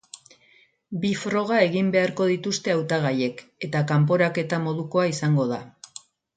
Bi froga egin beharko dituzte hautagaiek, eta kanporaketa modukoa izango da.